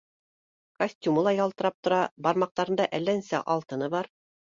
Костюмы ла ялтырап тора, бармаҡтарында әллә нисә алтыны бар.